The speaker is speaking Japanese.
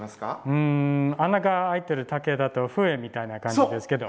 うん穴が開いてる竹だと笛みたいな感じですけど。